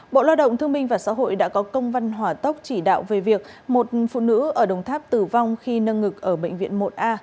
bộ lao động thương minh và xã hội đã có công văn hỏa tốc chỉ đạo về việc một phụ nữ ở đồng tháp tử vong khi nâng ngực ở bệnh viện một a